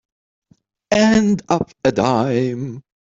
And up a dime.